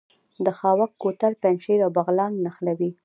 د خاوک کوتل پنجشیر او بغلان نښلوي